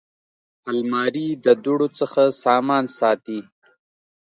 الماري د دوړو څخه سامان ساتي